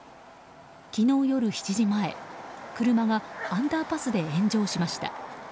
昨日夜７時前車がアンダーパスで炎上しました。